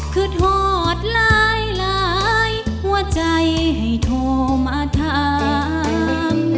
คือถอดหลายหลายหัวใจให้โทรมาทำ